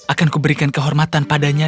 akanku berikan kehormatan padanya